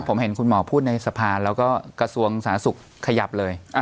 ผมเห็นคุณหมอพูดในสภาแล้วก็กระทรวงสาธารณสุขขยับเลย